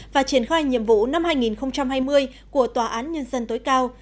và triển khai nhiệm vụ năm hai nghìn hai mươi của tòa án nhân dân tối cao